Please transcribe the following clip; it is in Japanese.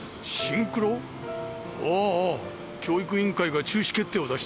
ああああ教育委員会が中止決定を出した。